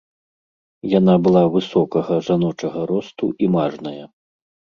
Яна была высокага жаночага росту і мажная.